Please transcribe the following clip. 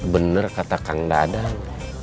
bener kata kang dadang